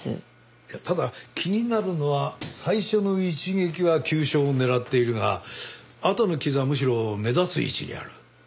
ただ気になるのは最初の一撃は急所を狙っているがあとの傷はむしろ目立つ位置にある。